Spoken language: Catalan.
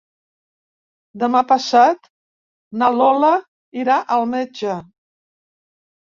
Demà passat na Lola irà al metge.